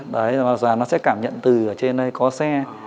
đấy và nó sẽ cảm nhận từ ở trên đây có xe